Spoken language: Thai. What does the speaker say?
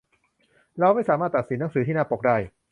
เราไม่สามารถตัดสินหนังสือที่หน้าปกได้